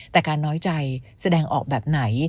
แต่การน้อยใจแสดงออกแบบไหน